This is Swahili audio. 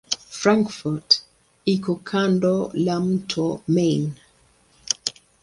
Frankfurt iko kando la mto Main.